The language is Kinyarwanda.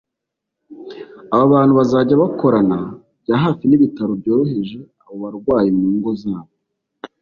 Aba bantu bazajya bakorana bya hafi n’ibitaro byohereje abo barwayi mu ngo zabo